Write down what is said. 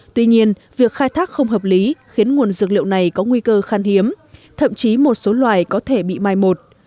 tuy nhiên việc khai thác không hợp lý khiến nguồn dược liệu này có nguy cơ khan hiếm thậm chí một số loài có thể bị mai một